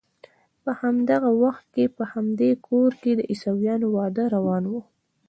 په همدغه وخت کې په همدې کور کې د عیسویانو واده روان و.